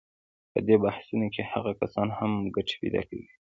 په دې بحثونو کې هغه کسان هم ګټې پیدا کوي.